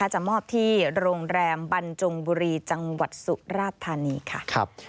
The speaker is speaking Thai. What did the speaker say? จะมอบที่โรงแรมบรรจงบุรีจังหวัดสุราธานีค่ะ